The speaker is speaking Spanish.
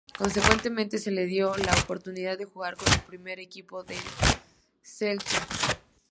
Consecuentemente, se le concedió la oportunidad de jugar con el primer equipo del Celtic.